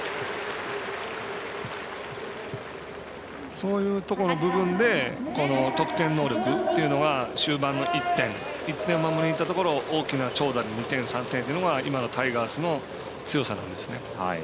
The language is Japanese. そういうところの部分で得点能力というのは終盤の１点１点を取りにいったところの大きな長打で２点、３点というのが今のタイガースの強さなんですね。